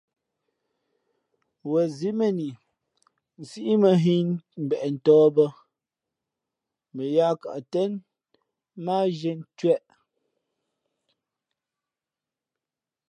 Wen zí mēn i nsíʼ mᾱ nhᾱ ī mbeʼ tᾱh bᾱ mα yāā kαʼ tén mά á zhīē ncwěʼ.